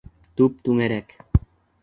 Түп-түңәрәк!